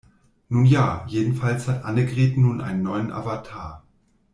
Nun ja, jedenfalls hat Annegret nun einen neuen Avatar.